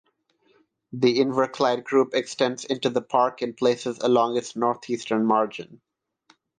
The Inverclyde Group extends into the park in places along its northeastern margin.